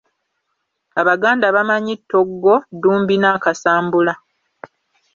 Abaganda bamanyi Toggo, Ddumbi n'Akasambula.